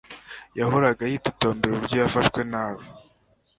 Yahoraga yitotombera uburyo yafashwe nabi